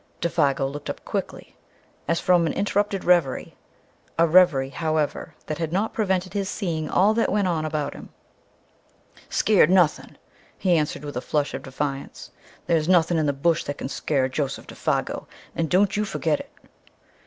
Défago looked up quickly, as from an interrupted reverie, a reverie, however, that had not prevented his seeing all that went on about him. "Skeered nuthin'!" he answered, with a flush of defiance. "There's nuthin' in the Bush that can skeer Joseph Défago, and don't you forget it!"